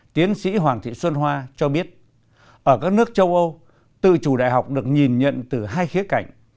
tiến sĩ hoàng thị xuân hoa cho biết ở các nước châu âu tự chủ đại học được nhìn nhận từ hai khía cạnh